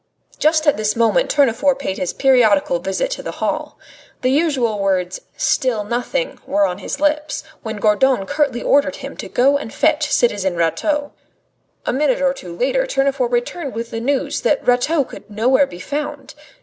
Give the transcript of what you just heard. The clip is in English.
Just at this moment Tournefort paid his periodical visit to the hall. The usual words, "Still nothing," were on his lips, when Gourdon curtly ordered him to go and fetch the citizen Rateau. A minute or two later Tournefort returned with the news that Rateau could nowhere be found.